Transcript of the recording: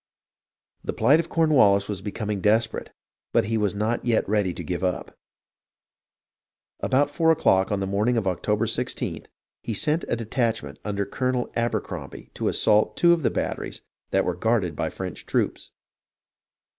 The plight of Cornwallis was becoming desperate, but he was not yet ready to give up. About four o'clock on the morning of October i6th, he sent a detachment under Colonel Abercrombie to assault two of the batteries that were guarded by the French troops.